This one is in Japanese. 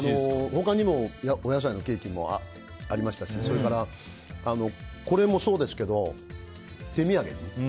他にもお野菜のケーキもありましたしこれもそうですけど手土産に。